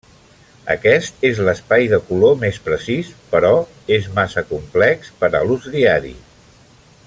Aquest és l'espai de color més precís però és massa complex per a l'ús diari.